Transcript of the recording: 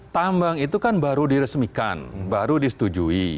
tambang itu kan baru diresmikan baru disetujui